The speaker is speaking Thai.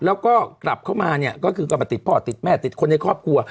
แล้วก็กลับเข้ามาเนี่ยก็คือกลับมาติดพ่อติดแม่ติดคนในครอบครัว